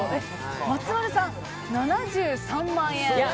松丸さん７３万円。